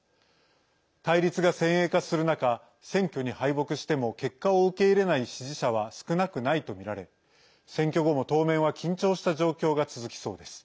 対立が先鋭化する中選挙に敗北しても結果を受け入れない支持者は少なくないとみられ選挙後も、当面は緊張した状況が続きそうです。